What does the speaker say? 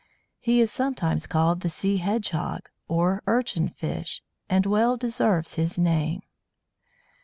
He is sometimes called the Sea hedgehog or Urchin fish, and well deserves his name.